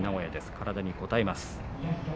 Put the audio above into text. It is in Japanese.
体にこたえます。